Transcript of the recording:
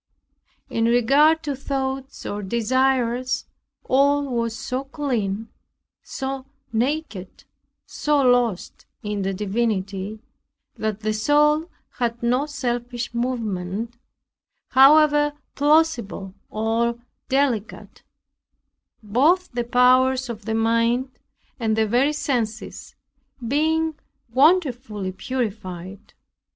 In regard to thoughts or desires, all was so clean, so naked, so lost in the divinity, that the soul had no selfish movement, however plausible or delicate; both the powers of the mind and the very senses being wonderfully purified.